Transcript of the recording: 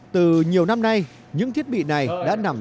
từ nhiều năm nay những thiết bị này đã nằm